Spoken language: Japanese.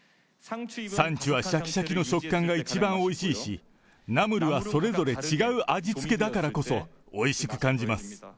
サンチュはしゃきしゃきの食感が一番おいしいし、ナムルはそれぞれ違う味付けだからこそ、おいしく感じます。